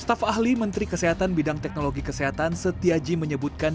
staf ahli menteri kesehatan bidang teknologi kesehatan setiaji menyebutkan